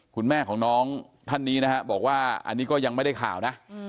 คุณแม่ของน้องท่านนี้นะฮะบอกว่าอันนี้ก็ยังไม่ได้ข่าวนะ